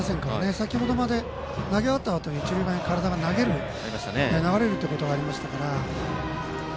先ほどまで投げ終わったあと一塁側に体が流れるということがありましたから。